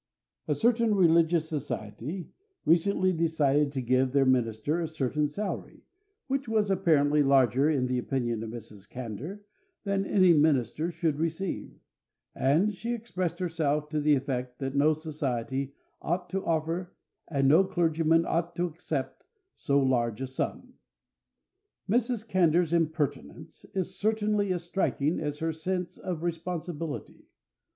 A certain religious society recently decided to give their minister a certain salary, which was apparently larger in the opinion of Mrs. Candour than any minister should receive, and she expressed herself to the effect that no society ought to offer and no clergyman ought to accept so large a sum. Mrs. Candour's impertinence is certainly as striking as her sense of responsibility.